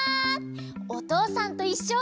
「おとうさんといっしょ」